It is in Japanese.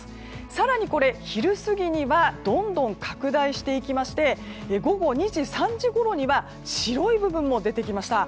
更に昼過ぎにはどんどん拡大していきまして午後２時、３時ごろには白い部分も出てきました。